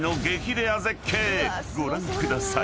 レア絶景ご覧ください］